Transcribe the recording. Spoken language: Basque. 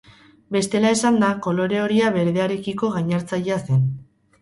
Bestela esanda, kolore horia berdearekiko gainartzailea zen.